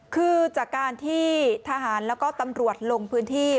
คือจากการที่ทหารแล้วก็ตำรวจลงพื้นที่